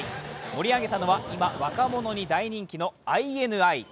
盛り上げたのは今、若者に大人気のＩＮＩ。